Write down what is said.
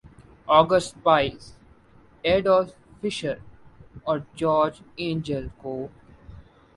آ gist Spies ‘Adolph Fischer اور George Engel کو